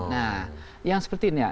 nah yang seperti ini ya